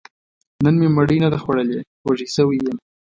نن مې مړۍ نه ده خوړلې، وږی شوی يم